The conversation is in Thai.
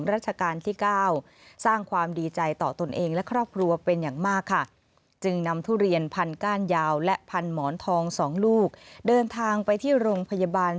รอบรัวเป็นอย่างมากค่ะจึงนำทุเรียนพันก้านยาวและพันหมอนทองสองลูกเดินทางไปที่โรงพยาบาล